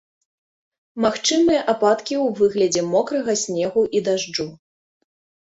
Магчымыя ападкі ў выглядзе мокрага снегу і дажджу.